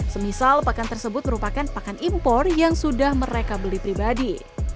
semisal pakan tersebut merupakan pakan impor yang sudah mereka beli pribadi